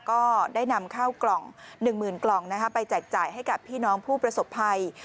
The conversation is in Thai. ก็ได้นำข้าวกล่อง๑๐๐๐กล่องไปแจกจ่ายให้กับพี่น้องผู้ประสบภัย